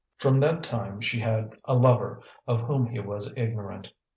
From that time she had a lover of whom he was ignorant.